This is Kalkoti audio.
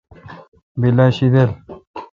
بیل اؘ شیدل۔